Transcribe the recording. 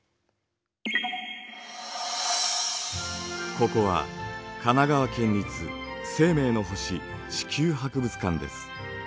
ここは神奈川県立生命の星・地球博物館です。